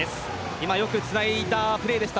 今、よくつないだプレーでした。